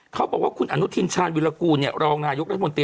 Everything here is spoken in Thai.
เขาบอกว่าคุณอนุทินชาญวิรากูลรองนายกรัฐมนตรี